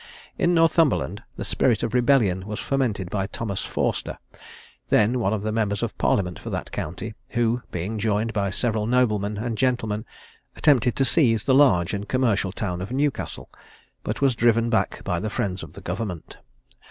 In Northumberland the spirit of rebellion was fermented by Thomas Forster, then one of the members of parliament for that county; who, being joined by several noblemen and gentlemen, attempted to seize the large and commercial town of Newcastle, but was driven back by the friends of the government.